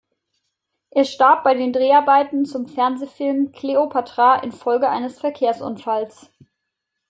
Er starb bei den Dreharbeiten zum Fernsehfilm "Cleopatra" infolge eines Verkehrsunfalls.